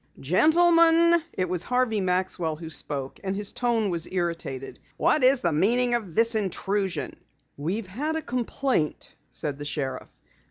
"Gentlemen " It was Harvey Maxwell who spoke, and his tone was irritated. "What is the meaning of this intrusion?" "We've had a complaint," said the sheriff.